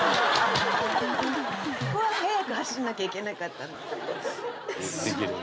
ここは速く走んなきゃいけなかったの？